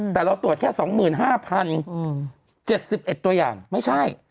แต่เราตรวจแค่๒๕๐๗๑ตัวอย่างไม่ใช่